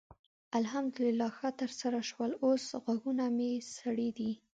الحمدلله ښه ترسره شول؛ اوس غوږونه مې سړې دي.